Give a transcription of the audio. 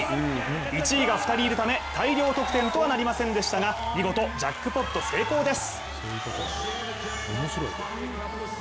１位が２人いるため大量得点とはなりませんでしたが見事、ジャックポット成功です。